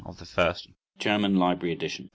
of the first German Library Edition (pp.